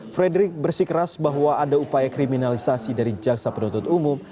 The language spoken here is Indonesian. frederick bersikeras bahwa ada upaya kriminalisasi dari jaksa penuntut umum